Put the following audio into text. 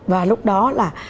và lúc đó là